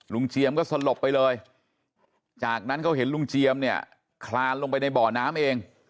เจียมก็สลบไปเลยจากนั้นเขาเห็นลุงเจียมเนี่ยคลานลงไปในบ่อน้ำเอง